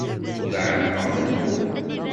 Tura εelmeɣ menhu.